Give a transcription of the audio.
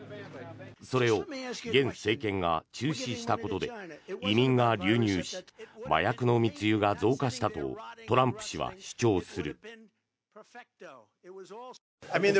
それを現政権が中止したことで移民が流入し麻薬の密輸が増加したとトランプ氏は主張する。